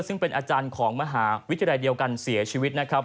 ซึ่งเป็นอาจารย์ของมหาวิทยาลัยเดียวกันเสียชีวิตนะครับ